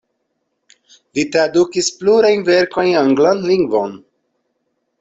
Li tradukis plurajn verkojn anglan lingvon.